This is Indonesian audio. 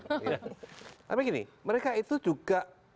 tapi gini mereka itu juga